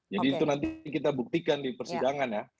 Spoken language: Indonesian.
jadi itu nanti kita buktikan di persidangan ya